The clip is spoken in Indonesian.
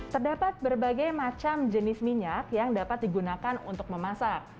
terdapat berbagai macam jenis minyak yang dapat digunakan untuk memasak